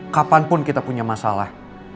kapanpun kita punya masalah